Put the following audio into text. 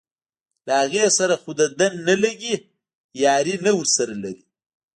له هغې سره خو دده نه لګي یاري نه ورسره لري.